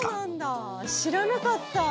知らなかった。